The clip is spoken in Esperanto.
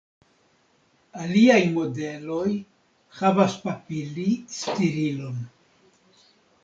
Aliaj modeloj havas papili-stirilon.